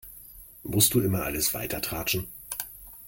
Musst du immer alles weitertratschen?